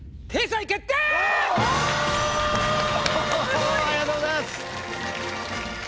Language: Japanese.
ありがとうございます。